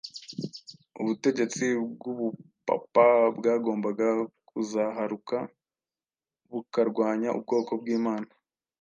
ubutegetsi bw’Ubupapa bwagombaga kuzaharuka bukarwanya ubwoko bw’Imana.